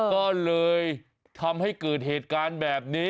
ก็เลยทำให้เกิดเหตุการณ์แบบนี้